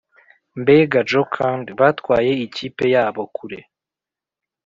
mbega jocund batwaye ikipe yabo kure!